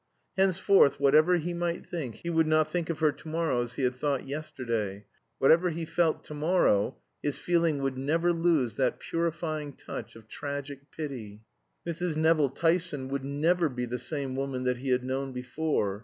Henceforth, whatever he might think, he would not think of her to morrow as he had thought yesterday; whatever he felt to morrow, his feeling would never lose that purifying touch of tragic pity. Mrs. Nevill Tyson would never be the same woman that he had known before.